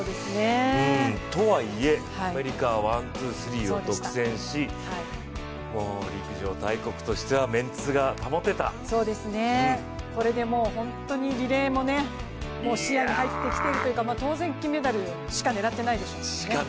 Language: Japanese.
とはいえ、アメリカはワン・ツー・スリ−を独占し、もう陸上大国としてはメンツが保てたこれでもう本当にリレーも視野に入ってきているというか当然、金メダルしか狙ってないでしょうね。